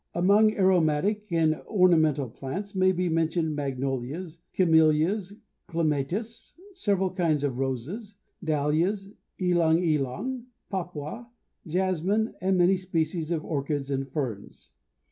Among aromatic and ornamental plants may be mentioned magnolias, camellias, clematis, several kinds of roses, dahlias, ylang ylang, papua, jessamine, and many species of orchids and ferns.